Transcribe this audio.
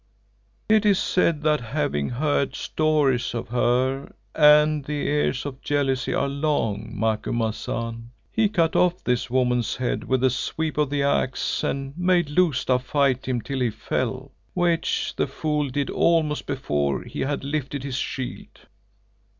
It is said that having heard stories of her—and the ears of jealousy are long, Macumazahn—he cut off this woman's head with a sweep of the axe and made Lousta fight him till he fell, which the fool did almost before he had lifted his shield.